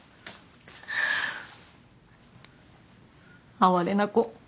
哀れな娘。